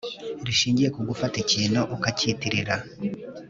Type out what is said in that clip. rishingiye ku gufata ikintu ukacyitirira